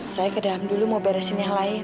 saya ke dalam dulu mau beresin yang lain